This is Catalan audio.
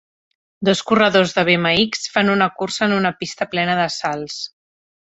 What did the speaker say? Dos corredors de BMX fan una cursa en una pista plena de salts.